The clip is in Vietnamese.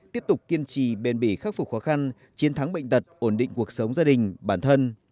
tiếp tục kiên trì bền bỉ khắc phục khó khăn chiến thắng bệnh tật ổn định cuộc sống gia đình bản thân